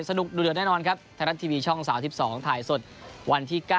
สนุกดูเดือดแน่นอนครับไทยรัฐทีวีช่อง๓๒ถ่ายสดวันที่๙